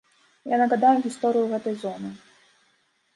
Я нагадаю гісторыю гэтай зоны.